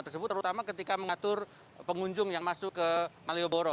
terutama ketika mengatur pengunjung yang masuk ke malioboro